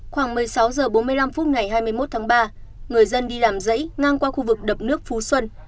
khoảng một mươi sáu h bốn mươi năm phút ngày hai mươi một tháng ba người dân đi làm dãy ngang qua khu vực đập nước phú xuân